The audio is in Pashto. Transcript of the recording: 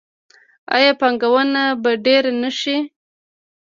آیا پانګونه به ډیره نشي؟